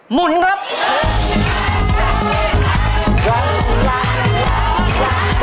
หมุนครับ